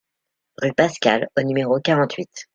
Rue Pascal au numéro quarante-huit